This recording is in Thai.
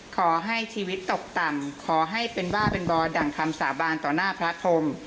ขอให้ชีวิตตกต่ำขอให้เป็นบ้าเป็นบ่อดั่งคำสาบานต่อหน้าพระพรม